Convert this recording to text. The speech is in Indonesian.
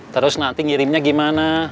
terus nanti ngirimnya gimana